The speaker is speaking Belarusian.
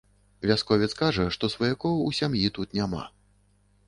Вясковец кажа, што сваякоў у сям'і тут няма.